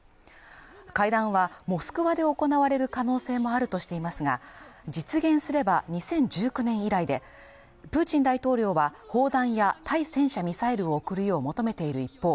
会談はモスクワで行われる可能性もあるとしていますが実現すれば２０１９年以来でプーチン大統領は砲弾や対戦車ミサイルを送るよう求めている一方